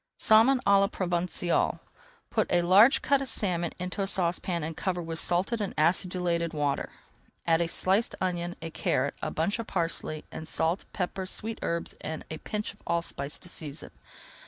SALMON À LA PROVENÇALE Put a large cut of salmon into a saucepan and cover with salted and acidulated water. Add a sliced onion, a carrot, a bunch of parsley, and salt, pepper, sweet herbs, and a pinch of allspice to season.